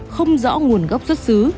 không rõ nguồn gốc xuất xứ